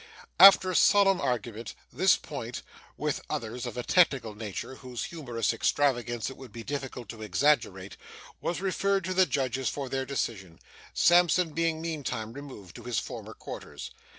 After solemn argument, this point (with others of a technical nature, whose humorous extravagance it would be difficult to exaggerate) was referred to the judges for their decision, Sampson being meantime removed to his former quarters.